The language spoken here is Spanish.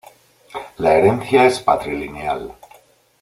La herencia es patrilineal.